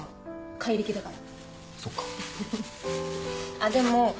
怪力だから。